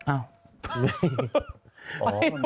อ้าว